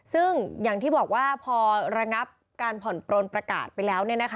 ซึ่งอย่างที่บอกว่าพอระงับการผ่อนปลนประกาศไปแล้ว